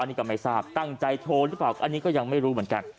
นี่ก็ไม่ทราบตั้งใจโทรหรือเปล่าอันนี้ก็ยังไม่รู้เหมือนกัน